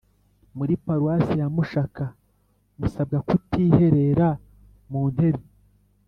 muri Paruwasi ya Mushaka musabwa kutiherera mu ntebe